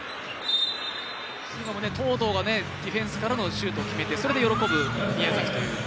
今も東藤がディフェンスからのシュートを決めてそれで喜ぶ宮崎という。